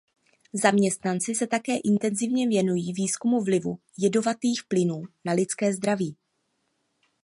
Zaměstnanci se také intenzivně věnují výzkumu vlivu jedovatých plynů na lidské zdraví.